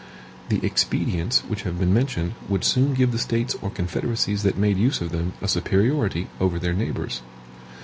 The expedients which have been mentioned would soon give the States or confederacies that made use of them a superiority over their neighbors.